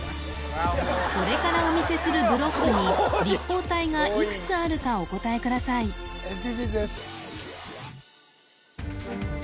これからお見せするブロックに立方体がいくつあるかお答えくださいＳＤＧｓです